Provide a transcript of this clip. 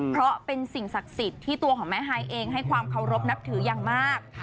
เพราะเป็นสิ่งศักดิ์สิทธิ์ที่ตัวของแม่ฮายเองให้ความเคารพนับถืออย่างมาก